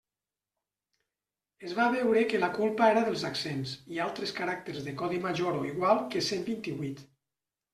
Es va veure que la culpa era dels accents i altres caràcters de codi major o igual que cent vint-i-vuit.